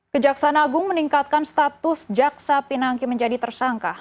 kejaksaan agung meningkatkan status jaksa pinangki menjadi tersangka